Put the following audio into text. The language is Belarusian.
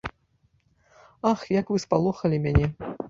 Ах, як вы спалохалі мяне.